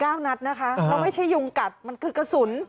นัดนะคะแล้วไม่ใช่ยุงกัดมันคือกระสุน